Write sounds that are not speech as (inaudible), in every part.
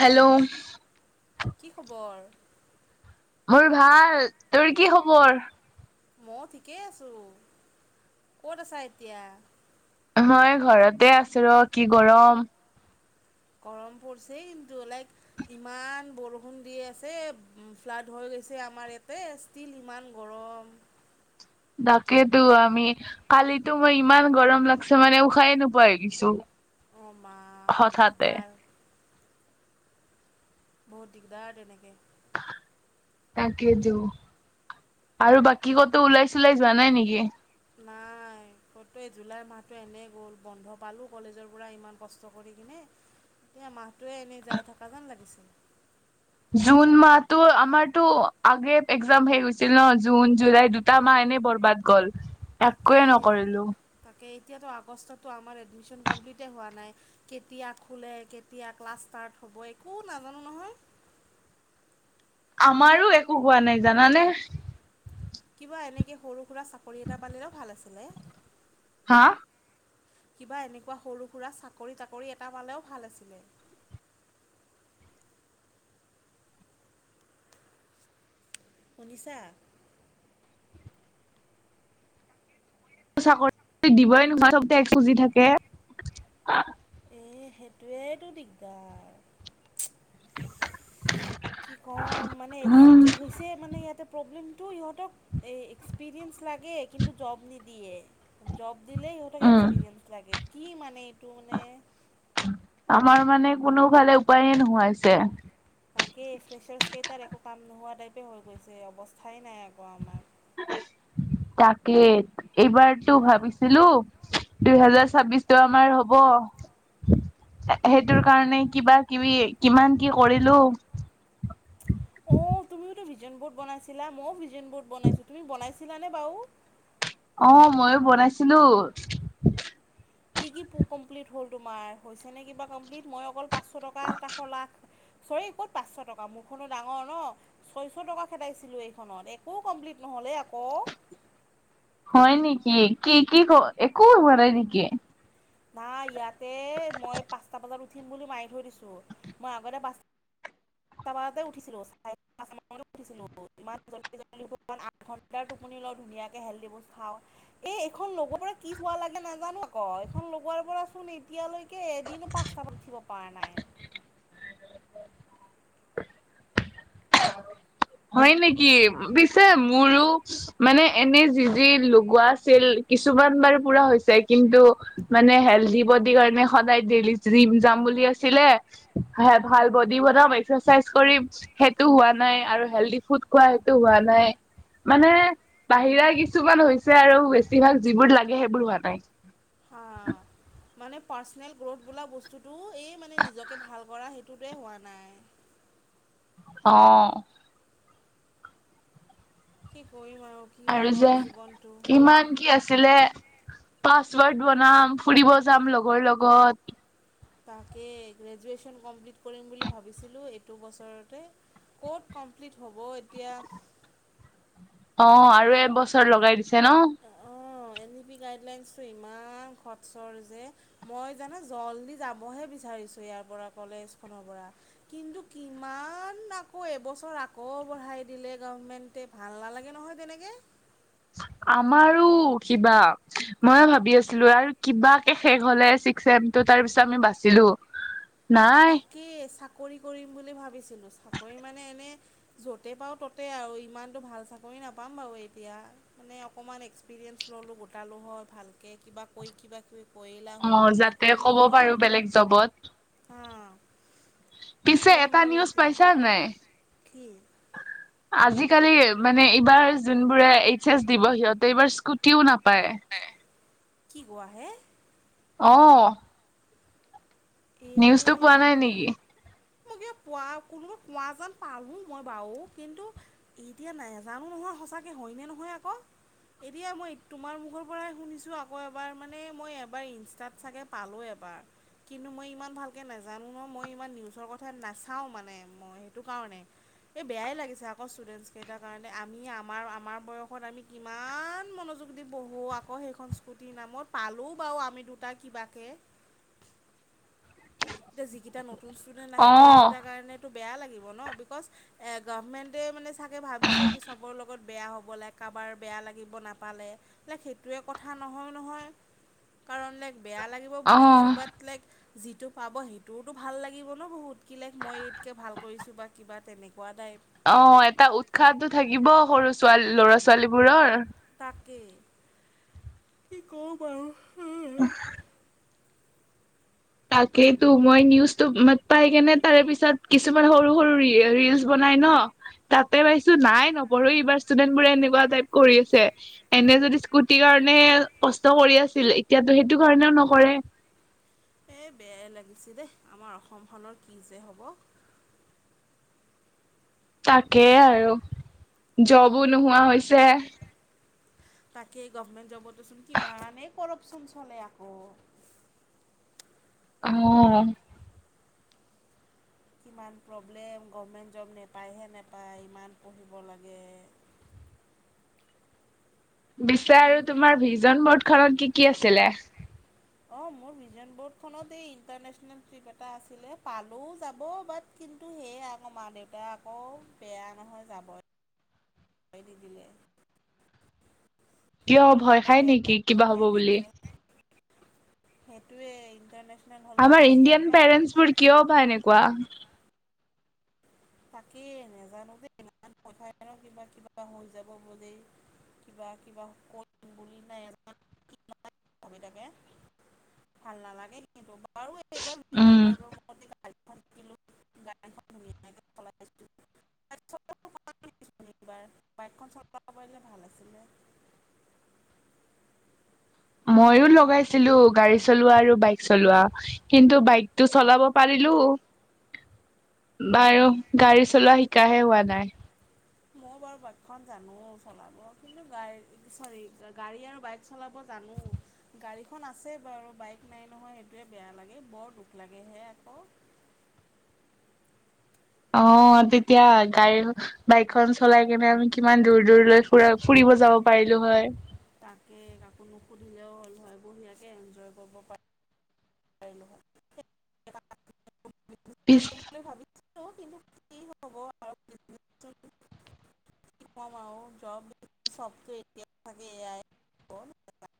Hello! কি খবৰ? মোৰ ভাল। তোৰ কি খবৰ? মও ঠিকেই আছোঁ, ক'ত আছা এতিয়া? হয়, ঘৰতে আছো ৰ কি গৰম। গৰম পৰিছে কিন্তু লাইক ইমান বৰষুণ দি আছে। ফ্লাড হৈ গৈছে আমাৰ ইয়াতে। তিল ইমান গৰম। দাকেইতো আমি কালিতো মই ইমান গৰম লাগছে মানে উশাহে নোপাৱা হৈ গৈছোঁ। অ' মা, দিগদাৰ। বহুত দিগদাৰ তেনেকে। তাকে টো। আৰু বাকী কতো ওলাই সুলাই যোৱা নাই নেকি? নাই। কটোৱে জুলাই মাহটো এনেই গ'ল। বন্ধ পালোঁ কলেজৰ পৰা ইমান কষ্ট কৰি কিনে। এয়া মাহটোৱে এনেই যাই থাকা যেন লাগিছিল। জুন মাহতো আমাৰতো আগে একজাম শেষ হৈছিল ন জুন, জুলাই দু টা মাহ এনেই বৰবাদ গ'ল। তাকে একোৱে নকৰিলো। তাকে এতিয়াতো আগষ্টতো আমাৰ এডমিশ্যন কমপ্লিটে হোৱা নাই। কেতিয়া খোলে, কেতিয়া ক্লাছ ষ্টাৰ্ট হ'ব, একো নাজানো নহয়। আমাৰো একো হোৱা নাই, জানানে? কিবা এনেকে সৰু সুৰা চাকৰি এটা পালেও ভাল আছিলে। হা? কিবা এনেকুৱা সৰু সুৰা চাকৰি তাকৰি এটা পালেও ভাল আছিলে। শুনিছা? চাকৰি দিবই (unintelligible) (unintelligible) (unintelligible) খুজি থাকে। এ সেইটোৱেইতো দিগদাৰ। (inaudible) কি ক'ম? মানে উম কি হৈছে, মানে ইয়াতে প্ৰব্লেমটো সিহঁতক? এ এক্সপিৰিয়েঞ্চ লাগে, কিন্তু জব নিদিয়ে। জব দিলেই সিহঁতক উম এক্সপিৰিয়েঞ্চ লাগে। কি মানে এইটো মানে। আমাৰ মানে কোনোফালে উপায়ে নোহোৱা হৈছে। তাকেই ফ্ৰেছাৰছ্ কেইটাৰ একো কাম নোহোৱা টাইপে হৈ গৈছে। অৱস্থাই নাই আকৌ আমাৰ। তাকে, এইবাৰটো ভাবিছিলো। দুহেজাৰ ছাব্বিশটো আমাৰ হব, সেইটোৰ কাৰণেই কিবা কিবি, কিমান কি কৰিলো। অঁ তুমিওতো ভিজন বৰ্ড বনাইছিলা। ময়ো ভিজন বৰ্ড বনাইছোঁ। তুমি বনাইছিলানে বাও? অ, মইও বনাইছিলো। কি কি কমপ্লিট হ'ল তোমাৰ? হৈছেনে কিবা কমপ্লিট? মই অকল পাঁচশ টকা এটা খোলাত চৰী, ক'ত পাঁচশ টকা মোৰখনো ডাঙৰ ন। ছয়শ টকা খেদাইছিলোঁ এইখনত, একো কমপ্লিট নহ'লে অ'ক। হয় নেকি, কি কি ক একোই হোৱা নাই নেকি? নাই ইয়াতে, মই পাঁচটা বজাত উঠিম বুলি মাৰি থৈ দিছোঁ, মই আগতে পাঁচ টা বজাতে উঠিছিলো, (unintelligible) (unintelligible) (unintelligible) (unintelligible) (unintelligible) তাৰ টোপনি লওঁ, ধুনীয়াকে হেল্ডী ফুড খাওঁ। এ, এইখন লগোৱাৰ পৰা কি ধোৱা লাগিলে নাজানো আক', এইখন লগোৱাৰ পৰা চোন এতিয়ালৈ কে এদিনো পাঁচটা বজাত উঠিব পৰা নাই। (inaudible) হয় নিকি? পিছে মোৰো মানে এনে যি যি লগোৱা আছিল, কিছুমান বাৰু পুৰা হৈছে, কিন্তু মানে হেলডি বডীৰ কাৰণে সদায় ডেইলি জিম যাম বুলি আছিলে। খাই ভাল বডী বনাম, এক্সাৰচাইজ কৰিম, সেত টো হোৱা নাই, আৰু হেল্ডি ফুড খোৱা সেইটো হোৱা নাই। মানে, বাহিৰা কিছুমান হৈছে আৰু বেছিভাগ যিবোৰ লাগে সেইবোৰ হোৱা নাই। অ'। মানে পাৰ্চনেল গ্ৰ'থ বোলা বস্তুটো, এই মানে নিজকে ভাল কৰা সেইটোতে হোৱা নাই। অ'। কি কৰিম আৰু। কি বা আৰু যে, হয় জীৱনটো। কিমান কি আছিলে। পাছৱৰ্ড বনাম, ফুৰিব যাম লগৰ লগত। তাকে, গ্ৰেজুৱেশ্যন কমপ্লিট কৰিম বুলি ভাবিছিলোঁ, এইটো বছৰতে। ক'ত কমপ্লিট হ'ব এতিয়া। অ', আৰু এবছৰ লগাই দিছে ন। অ', এন ই পি গাইডলাইনছটো ইমান খটচৰ যে। মই জানা জল্দি যাবহে বিচাৰিছোঁ ইয়াৰ পৰা, কলেজখনৰ পৰা। কিন্তু কিমান আকৌ এবছৰ আকৌ বঢ়াই দিলে গৰ্ভমেণ্ট তে, ভাল নালাগে নহয় তেনেকে। আমাৰো কিবা, ময়ো ভাবি আছিলো আৰু কিবাকে শেষ হ'লে চি ছেপ দুটাৰ পিছে আমি বাছিলো। (inaudible) নাই। কি, চাকৰি কৰিম বুলি ভাবিছিলো, চাকৰি মানে এনে য'তে পাওঁ ত'তে আৰু ইমানটো ভাল চাকৰি নাপাম বাৰু এতিয়া। মানে অকমান এক্সপিৰিয়েঞ্চ ল'লোঁ গোটালোঁ হয় ভালকে, কিবা কয়ি কিবা কিবি। কৰিলাং, অ যাতে ক'ব ক-কৰিলোঁ হয়। পাৰো বেলেগ জবত। হাঁ কি পিছে কৰিম এটা আৰু নিউজ এতিয়া পাইছা নাই? (inaudible) আজিকালি, মানে এইবাৰ যোনবোৰে এইচ এচ দিব সিহঁতে এইবাৰ স্কুটিও নাপায়। কি কোৱাহে? অ'। এ, নিউজটো পোৱা আম নাই নেকি মই কিবা পোৱা, কোনোবা পোৱা যেন পালো মই বাও, কিন্তু এতিয়া নেজানো নহয়, সঁচাক হয়নে নহয় আক'। এতিয়া মই তোমাৰ মুখৰ পৰাই শুনিছোঁ আকৌ এবাৰ, মানে মই এবাৰ ইনষ্টাত চাগে পালোঁ এবাৰ। কিন্তু মই ইমান ভালকৈ নাজানো নহয়, মই ইমান নিউজৰ কথা নাচাওঁ মানে মই সেইটো কাৰণে। এই বেয়াই লাগিছে আকৌ ষ্টুডেণ্টছকেইটাৰ কাৰণে, আমি আমাৰ আমাৰ বয়সত আমি কিমান মনোযোগ দি পঢ়ো আকৌ সেইখন স্কুটিৰ নামত, পালোঁ বাৰু আমি দুটাই কিবাকে। এতিয়া যিকেইটা নতুন ষ্টুডেন্ট অ আহিব, সেইকেইটাৰ কাৰণে ত' বেয়া লাগিব ন' বিকজ, এ গৰ্ভমেণ্টে মানে ছাগে ভাবিছে কি ছবৰে লগত বেয়া হ'ব লাগে কাবাৰ বেয়া লাগিব নাপালে, বলে সেইটোৱে কথা নহয় নহয়। কাৰণ লাইক, বেয়া লাগিব অ বুজিছো বাত লাইক যিটো পাব সেইটোওতো ভাল লাগিব ন বহুত, কিলে মই ইতকৈ ভাল কৰিছোঁ বা কিবা তেনেকুৱা টাইপ। অ', এটা উৎসাহটো থাকিব সৰু ছোৱালী ল'ৰা ছোৱালীবোৰৰ। তাকেই, কি কম আৰু (unintelligible) তাকেইেতো, মই নিউজটো পাই কেনে তাৰে পিছত কিছুমান সৰু সৰু ৰিলচ বনাই ন' তাতে পাইছো, নাই, নপঢ়ো - এইবাৰ ষ্টুডেণ্ট বোৰে এনেকুৱা টাইপ কৰি আছে। এনে যদি স্কুটিৰ কাৰণে কষ্ট কৰি আছিল, এতিয়াতো সেইটো কাৰণেও নকৰে। এই বেয়াই লাগিছে দেই। আমাৰ অসমখনৰ কি যে হ'ব! তাকেই আৰু, জবো নোহোৱা হৈছে। তাকে, গৰ্ভমেণ্ট জবতোচোন কিমানেই কৰপচন চলে আকৌ। অ'। কিমান প্ৰব্লেম, গৰ্ভমেণ্ট জব নেপায়হে নাপায়। ইমান পঢ়িব লাগে! পিছে আৰু তোমাৰ ভিজন ব'ৰ্ড খনত কি কি আছিলে? অঁ মোৰ ভিজন ব'ৰ্ডখনত এই ইণ্টাৰনেচনেল ট্ৰিপ এটা আছিলে। পালো যাব, বাট কিন্তু সেয়া আকৌ মা দেউতা আকৌ, বেয়া নহয় যাবই (unintelligible) নিদিলে কিয়? ভয় অঁ খাই বেয়া নেকি লাগে কিবা হ'ব নহয় বুলি? এনেকৈ সেইটোৱে ইণ্টাৰনেচনেল হ'লে আমাৰ আক' ইণ্ডিয়ান (unintelligible) মানে পেৰেন্টছ বোৰ কিয় বা এনেকুৱা! তাকেই নেজানো দেই, ইমান ভয় খাই ন' কিবা কিবা হৈ যাব বুলি। কিবা কিবা কৰিম বুলি (unintelligible) ভাবি থাকে। ভাল নালাগে কিন্তু বাৰু (unintelligible) (unintelligible) (unintelligible) বাইকখন উম চলাব পাৰিলে ভাল আছিলে। মইয়ো লগাইছিলো, গাড়ী চলোৱা আৰু বাইক চলোৱা। কিন্তু বাইকটো চলাব পাৰিলো, বাৰু, গাড়ী চলোৱা শিকাহে হোৱা নাই। মই বাৰু বাইকখন জানো চলাব, কিন্তু গা চৰি গাড়ী আৰু বাইক চলাব জানো। গাড়ীখন আছেই বাৰু, বাইক নাই নহয় সেইটোৱে বেয়া লাগে। বৰ দুখ লাগেহে আকৌ অ' তেতিয়া গাড়ী বাইকখন চলাই কিনে আমি কিমান দূৰ দূৰলৈ ফুৰা, ফুৰিব যাব পাৰিলো হয়! তাকে, কাকো নুসুধিলেও হ'ল হয়, বঢ়িয়াকে এনজয় কৰিব পাৰ, পাৰিলো হয়! পিছ কৰিম বুলি ভাবিছিলোঁ, কিন্তু কি হ'ব আৰু কম আৰু (unintelligible) এতিয়া (unintelligible) এয়াই। (unintelligible)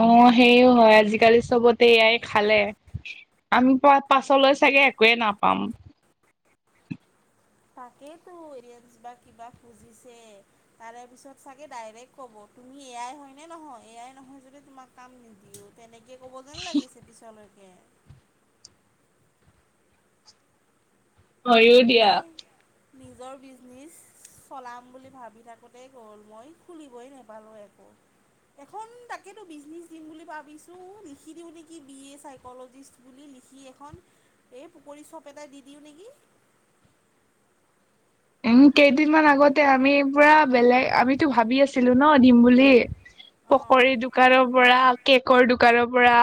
অঁ হেইও হয়, আজিকালি চ'বতে এ আই খালে। আমি পা পাছলৈ চাগে একোৱে নাপাম। তাকেই তো ইয়েঞ্ছ বা কিবা খুজিছে। তাৰে পিছত চাগে ডাইৰেক্ট ক'ব, তুমি এ আই হয় নে নহয়? এ আই নহয় যদি তোমাক কাম নিদিও তেনে কে ক'ব যেন লাগিছে পিছলৈকে। হয়ো দিয়া সেই নিজৰ বিজনেইছ চলাম বুলি ভাবি থাকোঁতেই গ'ল, মই খুলিবই নেপালোঁ একো। এখন তাকেতো বিজনিচ দিম বুলি ভাবিছো, লিখি দিওঁ নিকি বি এ চাইকলজিষ্ট বুলি লিখি এখন এই পকৰী চপ এটাই দি দিওঁ নিকি? উম, কেইদিনমান আগতে আমি পুৰা বেলেগ আমিতো ভাবি আছিলো ন' দিম বুলি। অঁ পকৰী দো- -কানৰ পৰা কেকৰ দোকানৰ পৰা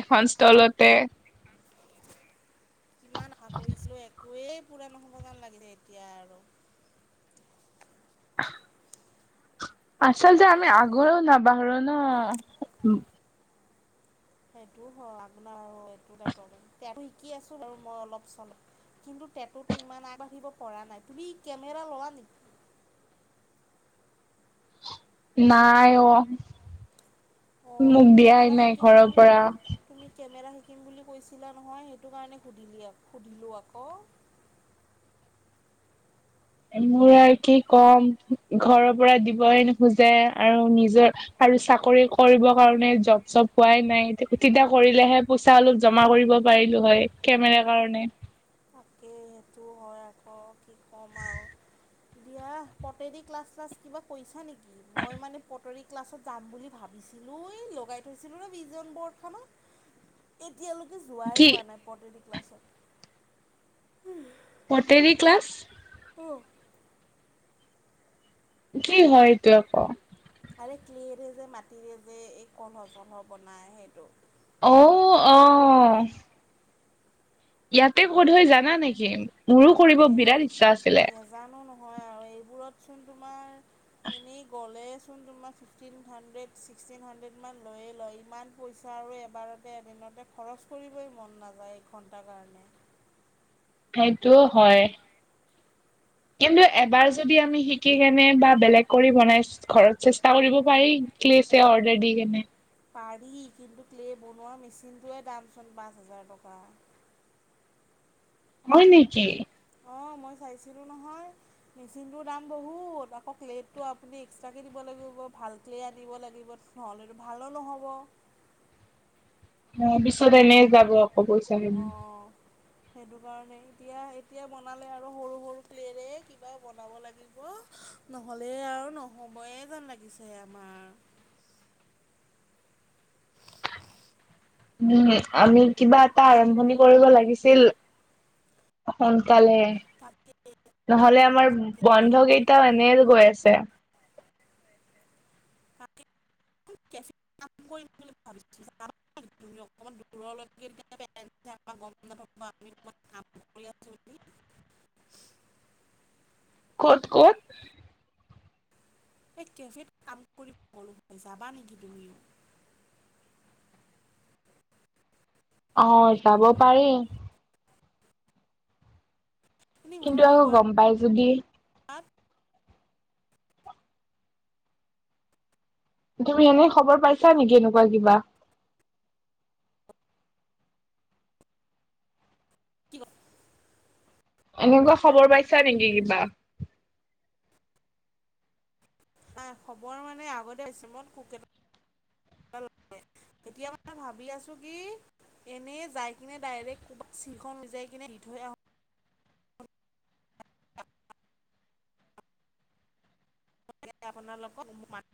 এখন ষ্টলতে। কিমান আশা কৰিছিলোঁ, একোৱেই পুৰা নহ'ব যেন লাগিলে এতিয়া আৰু (inaudible) আচলতে আমি আগৰো নাবাহৰো ন' সেইটো হয় আপোনাৰ আৰু এইটো এটা প্ৰব্লেম, টেটোটো শিকি আছো বাৰু মই অলপ চল কিন্তু টেটোতো ইমান আগবাঢ়িব পৰা নাই। তুমি কেমেৰা ল'লা নেকি? নাই অ' অঁ মোক তুমি দিয়াই কেমেৰা নাই শিকিম ঘৰৰ বুলি পৰা। তুমি কেমেৰা শিকিম বুলি কৈছিলা নহয়, সেইটো কাৰণে সুধিলি আ সুধিলোঁ আক'। মোৰ আৰু কি ক'ম, ঘৰৰ পৰা দিবই নোখোজে আৰু নিজৰ আৰু চাকৰি কৰিব কাৰণে জব চব পোৱাই নাই তেতিয়া কৰিলেহে পইচা অলপ জমা কৰিব পাৰিলো হয়, কেমেৰা কাৰণে। তাকে, সেইটো হয় আক' কি ক'ম আও। দিয়া পটেৰী ক্লাছ চিলাছ কিবা কৰিছা নেকি? মই মানে পটেৰী ক্লাছত যাম বুলি ভাবিছিলোঁ, এই লগাই থৈছিলোঁ নয় ভিজন ব'ৰ্ডখনত। এতিয়ালৈকে যোৱাই কি হোৱা নাই, পটেৰী ক্লাছত। হুম (unintelligible) পটেৰী ক্লাছ? অঁ কি হয় এইটো আকৌ? খালি ক্লেৰে যে মাটিৰে যে এই কলহ চলহ বনায় সেইটো। অও অ' ইয়াতে ক'ত হয় জানা নেকি? মোৰো কৰিব বিৰাট ইচ্ছা আছিলে। জানো নহয় আৰু এইবোৰত চোন তোমাৰ এনেই গ'লেইচোন তোমাৰ ফিফটিন হাণ্ড্ৰেড ছিক্সটিন হাণ্ড্ৰেডমান লৈয়ে লয়। ইমান পইচা আৰু এবাৰতে এদিনতে খৰচ কৰিবই মন নাযায়, এঘণ্টাৰ কাৰণে। সেইটোও হয়। কিন্তু এবাৰ যদি আমি শিকি কেনে বা বেলেগ কৰি বনাই ঘৰত চেষ্টা কৰিব পাৰি। ক্লে চে অৰ্ডাৰ দি কেনে। পাৰি কিন্তু ক্লে' বনোৱা মেচিনটোৱে দামচোন পাঁচ হাজাৰ টকা। হয় নেকি? অঁ মই চাইছিলোঁ নহয়। মেচিনটোৰ দাম বহুত। আকৌ ক্লেত টো আপুনি এক্সট্ৰাকৈ দিব লাগিব, ভাল ক্লে আনিব লাগিব। নহ'লেতো ভালো নহ'ব। ওম, পিছত এনেই যাব আকৌ প অঁহ সেইটো কাৰণে এতিয়া এতিয়া বনালে আৰু সৰু সৰু ক্লে ৰে কিবা বনাব লা গিব নহলে আৰু নহবয়ে যেন লাগিছে আমাৰ উম আমি কিবা এটা আৰম্ভণি কৰিব লাগিছিল। সোনকালে তাকে নহলে আমাৰ বন্ধ কেইটাও এনে গৈ আছে। (unintelligible) (unintelligible) ক'ত ক'ত? এই কেফেত কাম কৰিব কৰো যাবা নেকি তুমি? অঁ যাব পাৰি। খিনি কিন্তু ঘৰতে আৰু গম পাই যদি কৰাত তুমি এনে খবৰ পাইছা নেকি এনেকুৱা কিবা কি এনেকুৱা খবৰ পাইছা নেকি কিবা? খবৰ মানে আগতে (inaudible) লাগে এতিয়া মানে ভাবি আছো কি এনেই যাই কিনে ডাইৰেক্ট চিংখ সিজাই কিনে দি থৈ আহো (unintelligible)